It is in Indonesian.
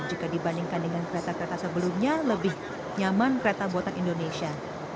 jika dibandingkan dengan kereta kereta sebelumnya lebih nyaman kereta buatan indonesia